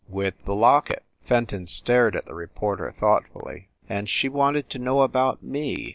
"With the locket!" Fenton stared at the reporter thoughtfully. "And she wanted to know about me?"